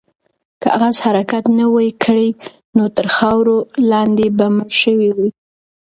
که آس حرکت نه وای کړی، نو تر خاورو لاندې به مړ شوی وای.